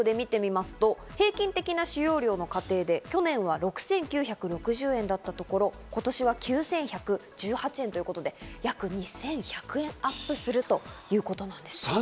東京電力で見てみますと平均的な使用量、家庭では去年は６９６０円だったところ、今年は９１１８円ということで約２１００円アップするということなんです。